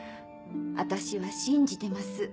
私は信じてます。